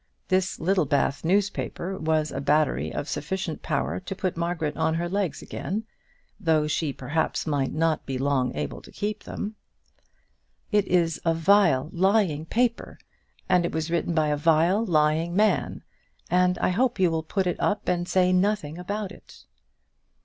This Littlebath newspaper was a battery of sufficient power to put Margaret on her legs again, though she perhaps might not be long able to keep them. "It is a vile, lying paper, and it was written by a vile, lying man, and I hope you will put it up and say nothing about it."